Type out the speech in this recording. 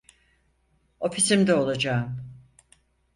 Ofisimde olacağım.